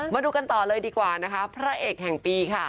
มาดูกันต่อเลยดีกว่านะคะพระเอกแห่งปีค่ะ